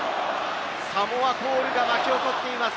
サモアコールが巻き起こっています。